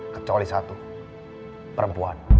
kecuali satu perempuan